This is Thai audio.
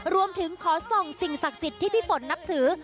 รวมถึงขอส่งสิ่งศักดิ์สิทธิ์ที่พี่ฝนนับถือ